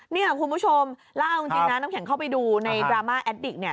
นี่คุณผู้ชมเล่าจริงนะน้ำแข็งเข้าไปดูในกรามาแอดดิก